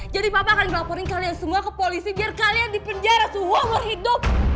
jadi papa akan melaporin kalian semua ke polisi biar kalian dipenjara seumur hidup